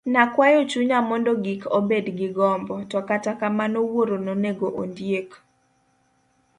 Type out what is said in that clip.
Nakwayo chunya mondo gik abed gi gombo, to kata kamano wuoro nonego ondiek.